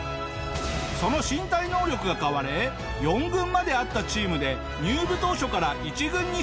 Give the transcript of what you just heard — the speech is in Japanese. その身体能力が買われ４軍まであったチームで入部当初から１軍に昇格！